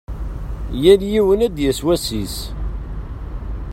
Yal yiwen ad d-yas wass-is.